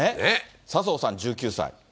笹生さん１９歳。